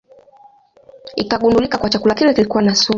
Ikagundulika kuwa chakula kile kilikuwa na sumu